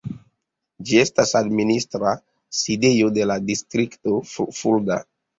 Ĝi estas administra sidejo de la distrikto Fulda.